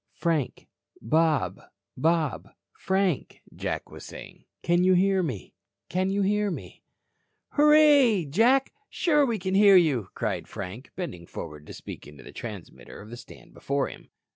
"Frank. Bob. Bob. Frank," Jack was saying. "Can you hear me? Can you hear me?" "Hurray, Jack, sure we can hear you," cried Frank, bending forward to speak into the transmitter on the stand before him.